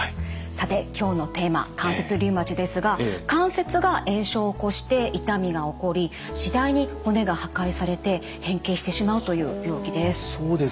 さて今日のテーマ関節リウマチですが関節が炎症を起こして痛みが起こり次第に骨が破壊されて変形してしまうという病気です。